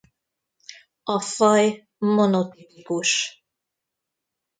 A faj monotipikus.